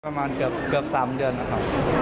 ประมาณเกลือเกลือ๓เดือนนะค่ะ